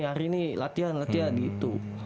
hari ini latihan latihan gitu